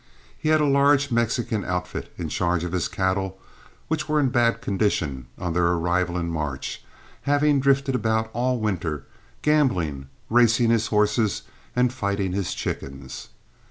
He had a large Mexican outfit in charge of his cattle, which were in bad condition on their arrival in March, he having drifted about all winter, gambling, racing his horses, and fighting his chickens.